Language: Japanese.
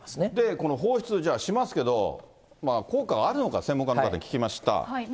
この放出、しますけど、効果があるのか、専門家の方に聞きま